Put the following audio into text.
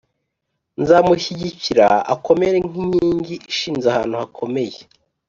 Nzamushyigikira akomere nk’inkingi ishinze ahantu hakomeye,